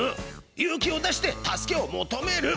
勇気を出して助けを求める。